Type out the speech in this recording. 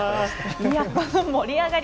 この盛り上がり